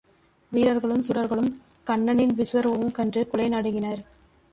வீரர்களும் சூரர்களும் கண்ணனின் விசுவரூபம் கண்டு குலை நடுங்கினர்.